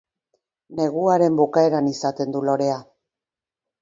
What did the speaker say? Neguaren bukaeran izaten du lorea.